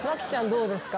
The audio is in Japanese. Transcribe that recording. どうですか？